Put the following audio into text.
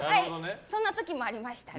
そんな時もありました。